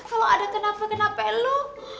kalau ada kenapa kenapa peluk